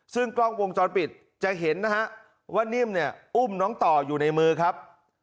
ซึ่งกล้องวงจรปิดจะเห็นนะฮะว่านิ่มเนี่ยอุ้มน้องต่ออยู่ในมือครับ